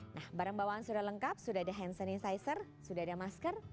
nah barang bawaan sudah lengkap sudah ada hand sanitizer sudah ada masker